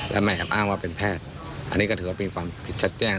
และไม่แอบอ้างว่าเป็นแพทย์อันนี้ก็ถือว่ามีความผิดชัดแจ้ง